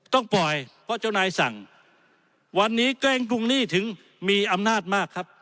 ต้องปล่อยเพราะเจ้านายสั่งวันนี้แกล้งกรุงหนี้ถึงมีอำนาจมากครับ